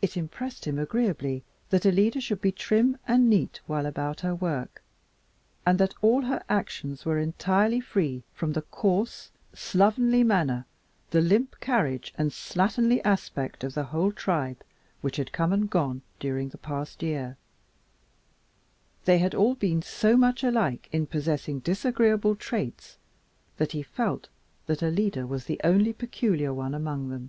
It impressed him agreeably that Alida should be trim and neat while about her work, and that all her actions were entirely free from the coarse, slovenly manner, the limp carriage, and slatternly aspect of the whole tribe which had come and gone during the past year. They had all been so much alike in possessing disagreeable traits that he felt that Alida was the only peculiar one among them.